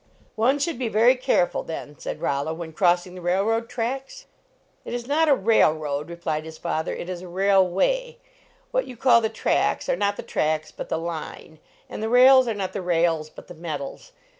" One should be very careful, then," said Rollo, " when crossing the railroad tracks? " "It is not a railroad," replied his father, " it is a railway. What you call the tracks are not the tracks, but the line. And the rails are not the rails, but the metals.